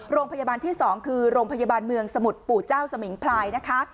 โรงพยาบาลที่๒คือโรงพยาบาลเมืองสมุทรปู่เจ้าสมิงพลายนะคะ